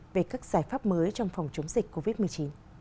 về các giải pháp mới trong phòng chống dịch covid một mươi chín